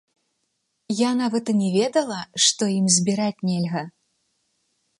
Я нават і не ведала, што ім збіраць нельга!